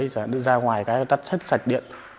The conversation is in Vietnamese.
ra ngoài tắt hết sạch điện